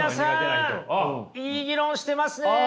いい議論してますね！